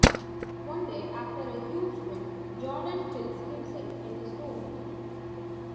One day, after a huge win, Jordan kills himself in his room.